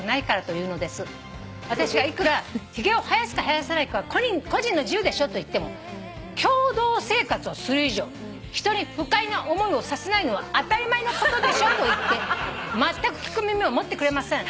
「私がいくらひげを生やすか生やさないかは個人の自由でしょと言っても『共同生活をする以上人に不快な思いをさせないのは当たり前のことでしょ』と言ってまったく聞く耳を持ってくれません」